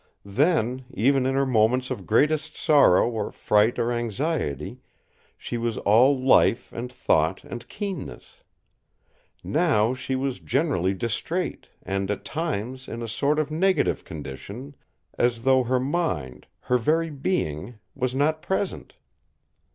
Then, even in her moments of greatest sorrow or fright or anxiety, she was all life and thought and keenness. Now she was generally distraite, and at times in a sort of negative condition as though her mind—her very being—was not present.